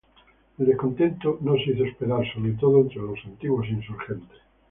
El descontento no se hizo esperar, sobre todo entre los antiguos insurgentes.